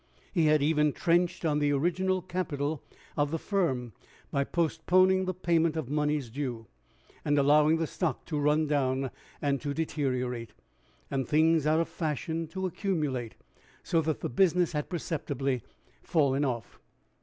He had even trenched on the original capital of the firm, by postponing the payment of moneys due, and allowing the stock to run down and to deteriorate, and things out of fashion to accumulate, so that the business had perceptibly fallen off.